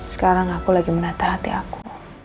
sekarang aku lagi menatah hati aku